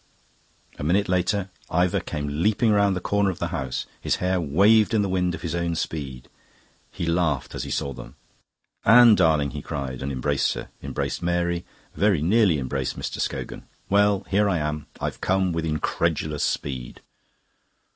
A minute later Ivor came leaping round the corner of the house. His hair waved in the wind of his own speed; he laughed as he saw them. "Anne, darling," he cried, and embraced her, embraced Mary, very nearly embraced Mr. Scogan. "Well, here I am. I've come with incredulous speed."